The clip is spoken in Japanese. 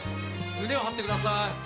胸を張ってください。